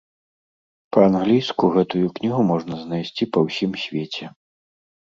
Па-англійску гэтую кнігу можна знайсці па ўсім свеце.